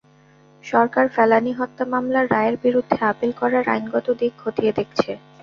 সরকার ফেলানী হত্যা মামলার রায়ের বিরুদ্ধে আপিল করার আইনগত দিক খতিয়ে দেখছে।